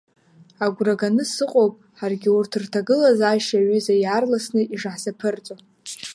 Агәра ганы сыҟоуп ҳаргьы урҭ рҭагылазаашьа аҩыза иаарласны ишаҳзаԥырҵо.